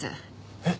えっ？